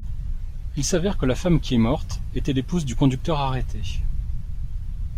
Il s'avère que la femme qui est morte était l'épouse du conducteur arrêté.